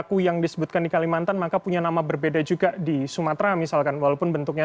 aku yang disebutkan di kalimantan maka punya nama berbeda juga di sumatera misalkan walaupun bentuknya